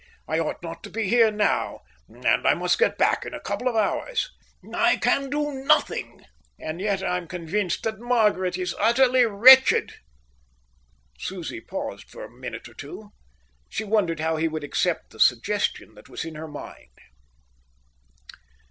I ought not to be here now, and I must get back in a couple of hours. I can do nothing, and yet I'm convinced that Margaret is utterly wretched." Susie paused for a minute or two. She wondered how he would accept the suggestion that was in her mind.